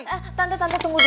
eh eh eh tante tante tunggu dulu